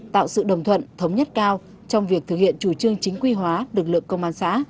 tạo sự đồng thuận thống nhất cao trong việc thực hiện chủ trương chính quy hóa lực lượng công an xã